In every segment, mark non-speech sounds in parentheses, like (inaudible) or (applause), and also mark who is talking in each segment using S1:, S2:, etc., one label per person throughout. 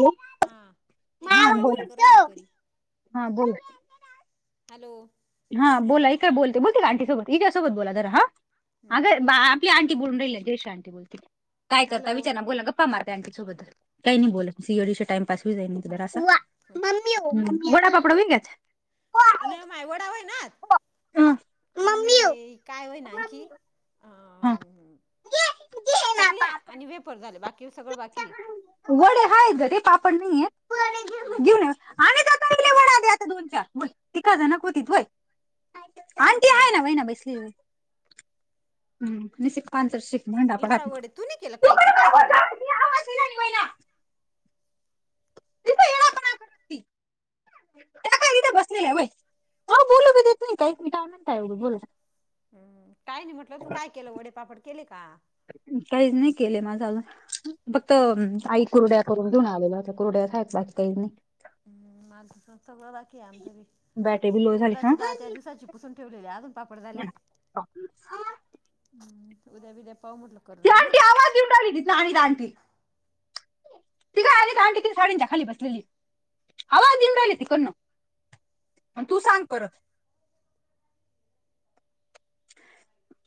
S1: Hello
S2: हां, ही काय
S1: हा
S2: बडबड
S1: बोला
S2: करू राहिली परी,
S1: हा
S2: हॅलो.
S1: हां, बोला ही काय बोलते, बोलते का आंटी सोबत? हिच्या सोबत बोला हां, आग बा पल्या आंटी बोलून राहिल्या, त्रिशा आंटी बोलते, काय करता
S2: हॅलो
S1: विचार ना, बोलना गं. प्पा मार. ते आंटी सोबत आणी सोबदल काही नाही बो सी आय डी चे टाइमपास हो जाईल तु असं. मम्मी वडा, पापड विंग्यात
S2: नाही ओ, माय व ता होईनात आणि
S1: हं.
S2: काय होय ना आणखी? अन चकल्या आणि वेफर्स झाले, बाकी सगळं बाकीये.
S1: वडे हाय घरी पापड नाहीे येत, घेऊन
S2: हम्म
S1: येऊ, अनिता ताईले वडा द्या. दोन चार व्हय (unintelligible) होतीत होय, आंटी आहे ना वई ना बैसली. हम्म, नि शिक पांचर शिक भांडा
S2: येईल का
S1: पडात (inaudible)
S2: वडे तू नाही केलं काही तू काय केलं
S1: (unintelligible) ती. त्या काय तिथे बसलेल्याय वय, अहो, बोलू बी देत नाही, काही नाही, काय म्हणताय (unintelligible)
S2: हम्म, काय नाही म्हटलं तू काय केलं, वडेपापड केले का? -
S1: काहीच नाही केलेय माझा अजून. फक्त आई कुरड्या करून घेऊन आलेल्या होत्या कुरड्या खायच लागते की नई.
S2: हम्म माझं स सगळं बाकी आहे आमचं बी.
S1: बॅटरी बी
S2: ते
S1: लो झाली हा
S2: उडदाची डाळ त्या दिवसाची पुसून ठेवलेले अजून पापड झाले.
S1: (unintelligible)
S2: हम्म उद्या बिद्या पाऊ म्हटलं करून आणू.
S1: (unintelligible) ती काय आली अन् ती साडींच्या खाली बसलेली आवाज देऊ राहिली तिकडंन. अन् तू सांग परत.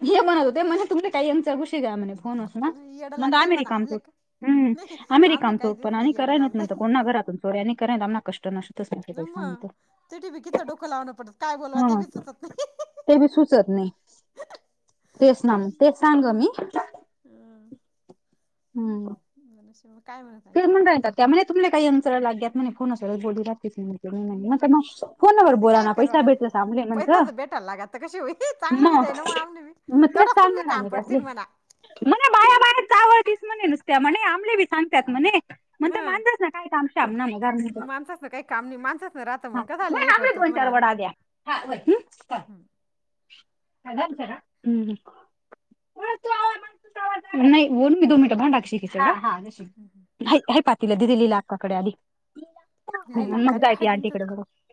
S1: हे म्हणत होते म्हणे तुमचं (unintelligible) कुशी का म्हणे? (unintelligible)
S2: येडं
S1: मग
S2: लागतंय
S1: आम्ही
S2: म्हणा
S1: रिकाम
S2: आमले
S1: करू
S2: का
S1: हम्म
S2: नाही
S1: आम्ही
S2: आमले
S1: रिकाम
S2: काही
S1: करू
S2: दिवस
S1: आणि
S2: नाही येडं
S1: कराय न नंतर कोण
S2: लागतंय
S1: ना घरातून. नवऱ्याने (unintelligible) कष्ट नष्ट पैसा
S2: मग
S1: नंतर.
S2: ते टी व्ही कितलं डोकं लावणं पडतं काय बोलवं ते बी सुचतं नाही.
S1: ते बी सुचत नाही. तेच ना तेच सांग
S2: मग
S1: मी हम्म.
S2: (unintelligible) काय म्हणता आणखी?
S1: त्यामुळे तुमले काही (unintelligible) लाग्यात म्हणे फोन असच बोलू लागतेच म्हणे.
S2: मग
S1: (unintelligible) फोनवर
S2: आता
S1: बोला
S2: काय
S1: ना
S2: करावा
S1: पैसा
S2: म्हणा
S1: भेटला सांबले म्हणलं.
S2: पैसाच भेटायला लागा तर कशी होई चांगलं बी
S1: मग,
S2: जाई ना आमने बी
S1: मग ते
S2: तेवढंच तुमले
S1: सांगू ना
S2: काम
S1: मी त्यासली.
S2: पडतील म्हणा
S1: म्हणे बाया बायात जावळतीस म्हणे, नुसत्या म्हणे आंमले बी सांगतात म्हणे. म्हणते
S2: हं
S1: माणसास ना काय काम शामना घरमध्ये
S2: माणसाच ना काही काम नाही माणसाच ना राहतं
S1: हा
S2: मग का झालं
S1: व्हय
S2: हे
S1: आम्हाला
S2: करतोच
S1: दोन
S2: म्हणा
S1: चार
S2: आम्ही
S1: वडा द्या. हा बर, हम्म, (unintelligible) हम्म. (unintelligible) नाही दोन मिनिटं (unintelligible) हे हे पातीलं दी दिलेलं अक्काकडे आधी,
S2: लिहिला
S1: मग
S2: हक्काने
S1: जाय
S2: काय
S1: त्या
S2: दिन तर
S1: आंटीकडं (unintelligible)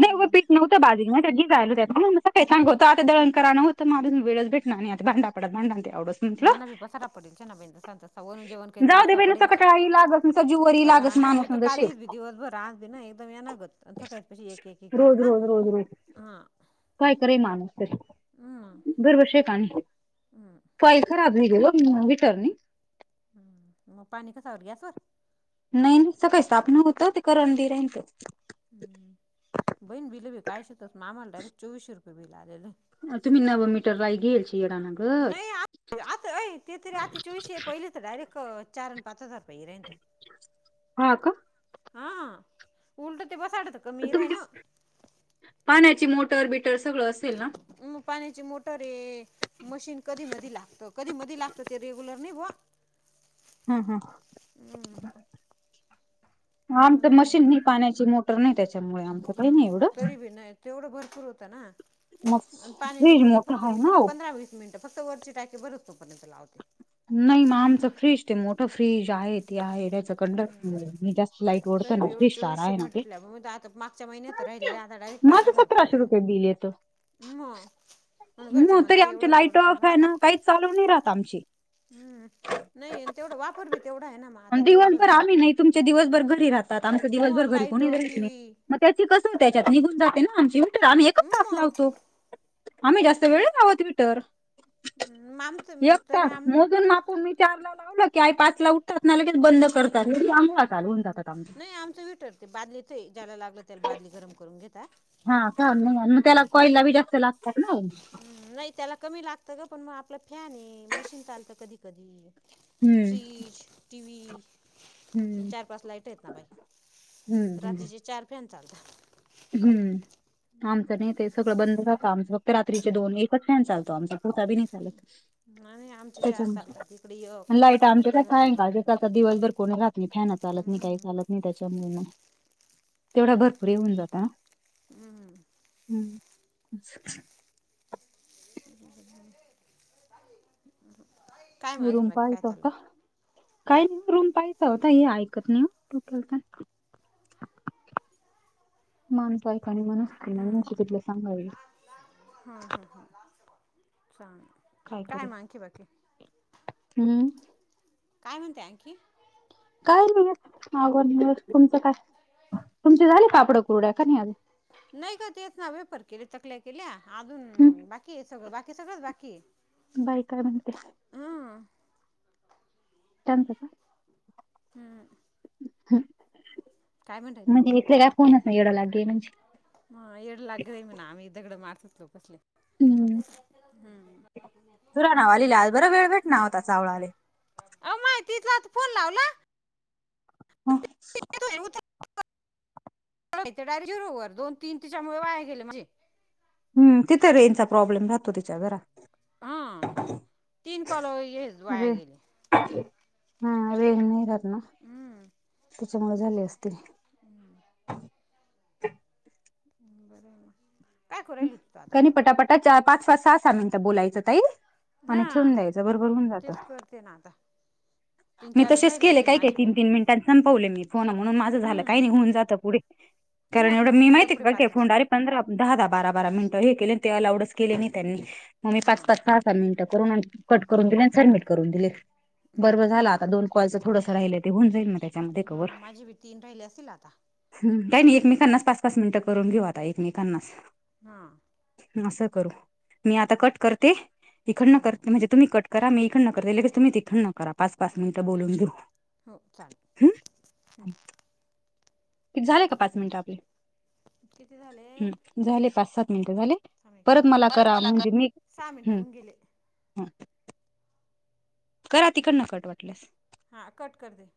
S1: नाही व पीठ नव्हतं, बाजी (unintelligible) सकाळी सांग होतं आता दळण करां न. तर माझं न वेळचं भेटणार नाही आता, भांड पडत भांडण ते आवंडस.
S2: मना बी पसार पडेलचा ना ब तसां तस वन जेवण काही
S1: जाऊ दे
S2: तासा
S1: बाई
S2: पडे
S1: नुसतं कटाळाही लागत नुसतं जीववरही
S2: कटाळा
S1: लागत
S2: नाही मी
S1: माणूस
S2: तर
S1: म्हणजे
S2: काल
S1: शेक
S2: दिस बी दिवसभर आज भी ना एकदम ये नागत. (unintelligible) एक एक एक एक
S1: रोज
S2: ना,
S1: रोज रोज रोज
S2: हा.
S1: काय करय माणूस तरी दरवर्षी एक आणतो.
S2: हम्म.
S1: फाईल खराब होईल ओ वीटरणी.
S2: हम्म मग पाणी कसावर, गॅसवर?
S1: नाही, नाही. सकाळी स्थापना होत, ते करण दि राहिते.
S2: हम्म बहीण बिल बी काय शतात ना आम्हाला डायरेक्ट चोवीसशे रुपये बिल आलेलं.
S1: तुम्ही नव मीटर राही घेईलचे रा न ग.
S2: नाही आता आ- व्हाय ते तरी चोविशे, पहिले तर डयरेक्ट चार अन पाच हजार रुपये रेंत.
S1: हा का
S2: हा उलट ते बसाडत कमीरय
S1: तुमची
S2: ना?
S1: पाण्याची मोटर, बिटर सगळं असेल ना?
S2: हम्म पाण्याची मोटर ऐ. मशीन कधी मधी लागतं. कधीमधी लागतं ते रेग्युलर नाही बुआ.
S1: हा हा
S2: हम्म.
S1: आमचं
S2: मग
S1: मशीन नाही पाण्याची, मोटर नाही त्याच्यामुळे, आमचं काही नाही एवढं.
S2: तरी बी नाही तेवढं भरपूर होतं ना
S1: मग
S2: अन् पाण्याची
S1: फ्रीज
S2: मोटर
S1: मोठा
S2: फक्त
S1: आहे
S2: मी
S1: ना
S2: किती
S1: ओ.
S2: पंधरा वीस मिनटं फक्त वरची टाकी भरेस तोपर्यंत लावते.
S1: नही मग आमचं फ्रीज ते मोठं फ्रीज आहे, ते आहे त्याच्यत.
S2: हूं तरी बी एवढं
S1: फ्री स्टार
S2: चोवीसशे
S1: आहे ना ते
S2: म्हटल्या व मी त आता मागच्या महिन्यात राहिले ले आता डायरेक्ट. पाच हजार रुपये बिल आल म.
S1: मं तरी आमचे लाईट फॅन काहीच चालू नही राहत आमचे.
S2: हूं नही नं तेवढा वापर बी तेवढा आहे ना मा.
S1: आन दिवसभर आम्ही नही तुमचे दिवसभर घरी राहतात आमच
S2: मग
S1: दिवसभर घरी
S2: लाईट
S1: कोणी राहित
S2: टी
S1: नही.
S2: व्ही
S1: मग त्याची कसंर त्याच्यात निघून जाते ना आमची हिटर आम्ही एकच तास
S2: मग
S1: लावतो. आम्ही जास्त वेळ नाही लावत हिटर,
S2: हम्म, आमचं
S1: एक
S2: तरी
S1: तास
S2: आमनं
S1: मोजून
S2: हम्म,
S1: मापून मी. चार ला लावलं की आई पाचला उठतात ना, लगेच बंद करतात लगे अंघोळा
S2: नही आमचं हिटर ते बादलीत हे, ज्याला लागलं त्याला बादली गरम करून घेता.
S1: हा का नं मग नं मग त्याला कॉईलला बी जास्त लागतात ना!
S2: नही त्याला कमी लागत ग, पण म आपलं फॅन हे, मशीन चालतं कधी कधी.
S1: हम्म
S2: फ्रीज, टीवी.
S1: हम्म
S2: चार पाच लाईट आहेत ना बाई,
S1: हम्म
S2: रात्रीचे चार फॅन चालता.
S1: हूं! आमचं नाही तेे सगळं बंद राहत, आमचं फक्त रात्रीचे दोन एकच फॅन चालतो आमचा, (unintelligible) बी नही चालत.
S2: आणि आमचे चार
S1: त्याच्यामुळे
S2: चालतात तिकडे येक, मधल्या घरात दोन.
S1: सहसा दिवस भर कोणी राहात नाही, फॅन चालत नाही,
S2: हम्म,
S1: काही चालत नहीं त्याच्यामुळं मग तेवढा भरपूर हे हुन जाता नां.
S2: हू!
S1: हू!
S2: काय म अजून बाकी काय चाललं?
S1: काय नही रूम पाहायचा होता, हे ऐकत नही हो डोक्याला ताण. (unintelligible)
S2: हां हां हां चाले
S1: काय करी हू!
S2: काय म्हणते आणखी!
S1: काय नाही (unintelligible) तुमचे झाले पापडं कुरड्या, का नही आजून.
S2: नही ग तेच ना, वेपर केले, चकल्या केल्या, अजून
S1: हम्म.
S2: बाकीय सगळं, बाकी सगळंच बाकीय.
S1: बाई काय म्हणत्या. त्यांचं का!
S2: हू!
S1: हं
S2: म्हणताय
S1: म्हणजे इकडे काय फोनसं न सं येड लाग गय म्हणजे.
S2: हा येड लाग गय म्हणा आम्ही दगड मारसूत लोकसले.
S1: सुराणा वाली ले आज बरा वेळ भेट ना होता चावळाले!
S2: अवो मायं तिथलात फोन लावला.
S1: (unintelligible)
S2: हायी ते डायरेक्ट झिरोवर दोन तीन तिच्यामुळे वाया गेले माजे!
S1: हू तिथ रेंजचा प्रॉब्लेम राहतो तिच्या घरा
S2: हा तीन कॉल हे ज वाया गेले!
S1: हं रेंज नहीं राहत नां!
S2: ऊ!
S1: त्याच्यामुळ झाले असतील.
S2: (inaudible) ् बरं आहे ना...
S1: काधी पटापटा, पाच पाच सहा अस मिनट बोलायचं ताई.
S2: हा,,
S1: आणि ठेवून द्यायचं बरोबर होऊन जातं.
S2: तेच करते ना आता. तीन
S1: मी
S2: चारच
S1: तसेच
S2: राहिले
S1: केले
S2: असतील
S1: काय काय
S2: माझी बी
S1: तीन
S2: आता
S1: तीन मिनिटां संपवले मी, फोन म्हणून माझं झालं, काही नाही
S2: हम्म
S1: होऊन जातं पुढे. कारण
S2: मग
S1: एवढं मी
S2: पुढं पुढे
S1: काय
S2: पाचच
S1: फोन डायरेक्ट, पंधरा दहा दहा बारा बारा मिनिट हे केले ते अलाउडच केले नाही त्यांनी, मग्मी
S2: हां
S1: पाच पाच, मिनिटं, कट करून दिले सबमिट करून दिले,
S2: हां
S1: बरबरं. आता दोन कॉल थोडंस राहिलय ते होऊन जाईल मगताई. जमतंय तोअर
S2: हां माझी बी तीन राहिले असतील आता
S1: ह्ममम, काय नाही एकमेकांनाच सांग. पाच मिनटं करून घेऊ आता एकमेकांनाच.
S2: हा...
S1: असं करू, मी आता कट करते, इकडन
S2: हो हो
S1: करते म्हणजे. तुम्ही कट करा, मी इकडन करते लगेच तुम्ही तिथड न करा, पाच पाच मिनटं बोलून घेऊ.
S2: हो
S1: हम्म.
S2: चालेल.
S1: झालंय का पाच मिनिट आपले.
S2: किती झाले?
S1: हम्म झाले पाच सात मिनटं झाले,
S2: थांब एक
S1: परत
S2: मिनटं.
S1: मला करा
S2: कर.
S1: म्हणजे मी
S2: सहा मिनटं होऊन गेले.
S1: हंऽ करा तिकड न कट वाटल्यास.
S2: हा कट कर ते.